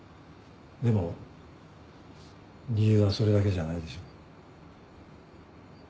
でも理由はそれだけじゃないでしょ？